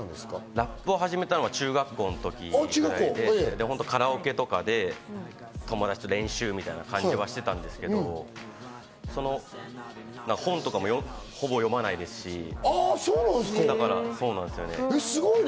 ラップを始めたのが中学校の時ぐらい、カラオケで友達と練習みたいな感じがしてたんですけど、本とかもほぼ読まないですし、だから、そうなんですよね。